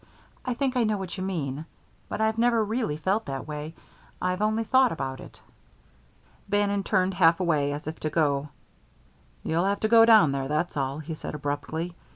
"I think I know what you mean. But I never really felt that way; I've only thought about it." Bannon turned half away, as if to go. "You'll have to go down there, that's all," he said abruptly.